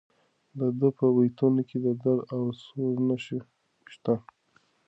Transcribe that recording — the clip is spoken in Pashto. د ده په بیتونو کې د درد او سوز نښې شته.